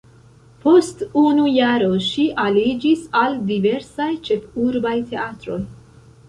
Post unu jaro ŝi aliĝis al diversaj ĉefurbaj teatroj.